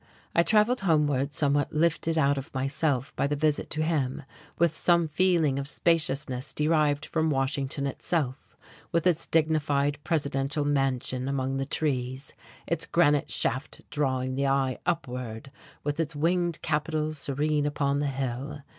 I travelled homeward somewhat lifted out of myself by this visit to him; with some feeling of spaciousness derived from Washington itself, with its dignified Presidential Mansion among the trees, its granite shaft drawing the eye upward, with its winged Capitol serene upon the hill.